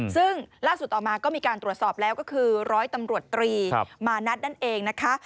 ซึ่งล่าสุดต่อมาก็มีการตรวจสอบแล้วก็คือร้อยตำรวจตรีมานัดนั่นเองนะคะ